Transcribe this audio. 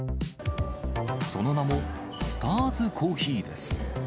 その名もスターズコーヒーです。